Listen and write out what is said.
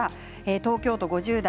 東京都５０代。